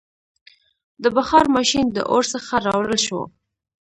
• د بخار ماشین د اور څخه راوړل شو.